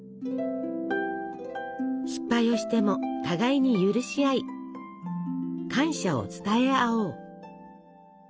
失敗をしても互いに許し合い感謝を伝え合おう。